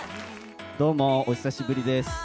どうも、お久しぶりです。